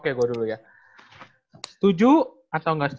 setuju atau gak setuju jasmine lebih pilih tinggal di mana